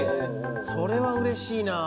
それはうれしいな。